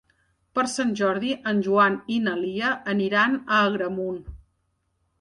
Per Sant Jordi en Joan i na Lia aniran a Agramunt.